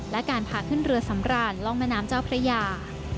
และการพาขึ้นเรือสำรานล่องแม่น้ำเจ้าพระยา